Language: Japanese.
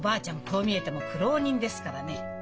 こう見えても苦労人ですからね。